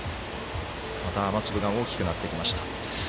雨粒が大きくなってきました。